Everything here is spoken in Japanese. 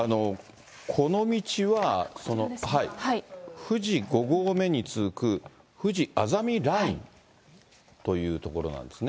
この道は、富士５合目に続くふじあざみラインという所なんです。